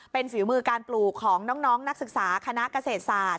เป็นฝีมือการปลูกของน้องนักศึกษาคณะเกษตรศาสต